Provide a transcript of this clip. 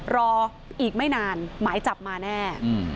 รออีกไม่นานหมายจับมาแน่